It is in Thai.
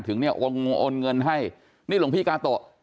ถึงโอนเงินให้นี่หลงพีกาโต๊ะ